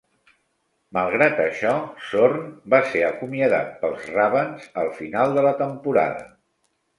Malgrat això, Zorn va ser acomiadat pels Ravens al final de la temporada.